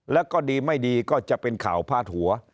แล้วก็ดีไม่ดีก็จะเป็นข่าวพาดหัว